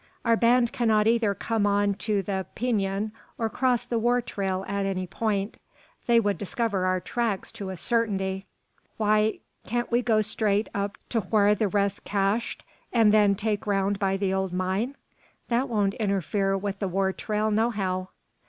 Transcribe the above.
Our band cannot either come on to the Pinon or cross the war trail at any point. They would discover our tracks to a certainty." "Why, can't we go straight up to whar the rest's cached, and then take round by the old mine? That won't interfere with the war trail nohow."